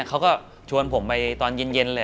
เขาก็ชวนผมไปตอนเย็นเลย